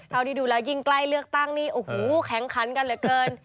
ที่ดูแล้วยิ่งใกล้เลือกตั้งนี่โอ้โหแข็งขันกันเหลือเกิน